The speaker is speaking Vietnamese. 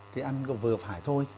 thì ăn vừa phải thôi